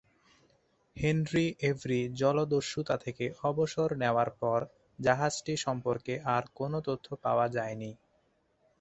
Henry Avery জলদস্যুতা থেকে অবসর নেওয়ার পর জাহাজটি সম্পর্কে আর কোন তথ্য পাওয়া যায়নি।